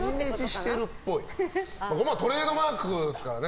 まあ、トレードマークですからね。